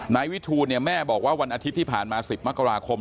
นายวิทูลเนี่ยแม่บอกว่าวันอาทิตย์ที่ผ่านมา๑๐มกราคม